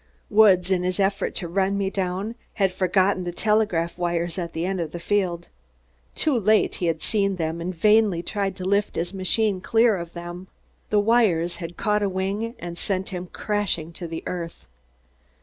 Woods, in his effort to run me down, had forgotten the telegraph wires at the end of the field. Too late, he had seen them and vainly tried to lift his machine clear of them. The wires had caught a wing and sent him crashing to the earth.